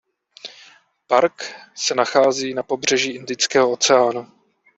Park se nachází na pobřeží Indického oceánu.